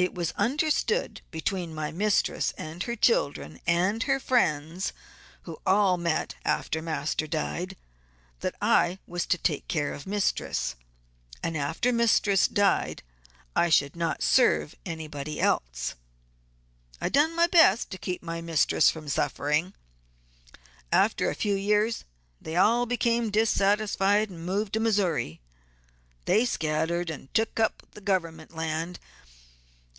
It was understood between my mistress, and her children, and her friends, who all met after master died, that I was to take care of mistress, and after mistress died I should not serve anybody else. I done my best to keep my mistress from suffering. After a few years they all became dissatisfied, and moved to Missouri. They scattered, and took up government land.